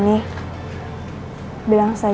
maka aku mau dateng ke sana